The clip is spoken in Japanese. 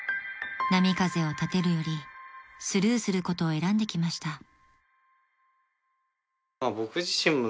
［波風を立てるよりスルーすることを選んできました］